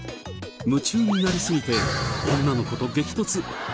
夢中になりすぎて女の子と激突。